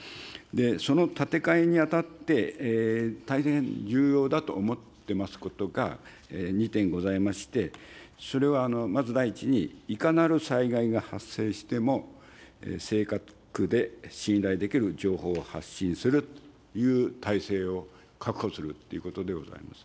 その建て替えにあたって、大変重要だと思ってますことが２点ございまして、それはまず第１に、いかなる災害が発生しても、正確で信頼できる情報を発信するという体制を確保するということでございます。